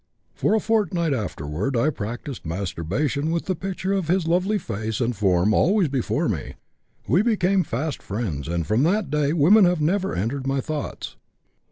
For a fortnight afterward I practised masturbation with the picture of his lovely face and form always before me. We became fast friends, and from that day women have never entered my thoughts."